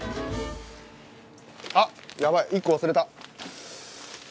あっやばい１個忘れた。